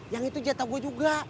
yang itu jatah gue juga